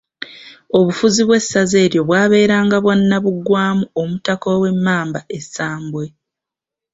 Obufuzi bw'essaza eryo bwabeeranga bwa Nnaabugwamu omutaka ow'Emmamba e Ssambwe.